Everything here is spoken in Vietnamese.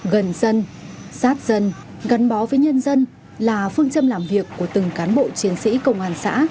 gần dân sát dân gắn bó với nhân dân là phương châm làm việc của từng cán bộ chiến sĩ công an xã